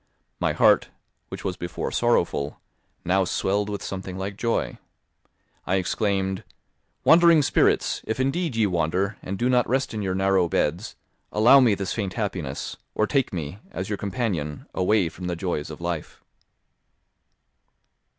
My heart, which was before sorrowful, now swelled with something like joy; I exclaimed, "Wandering spirits, if indeed ye wander, and do not rest in your narrow beds, allow me this faint happiness, or take me, as your companion, away from the joys of life."